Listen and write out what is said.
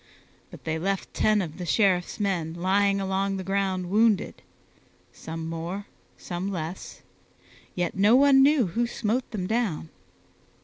But they left ten of the Sheriff's men lying along the ground wounded some more, some less yet no one knew who smote them down.